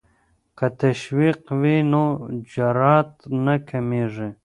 که تشویق وي نو جرات نه کمېږي.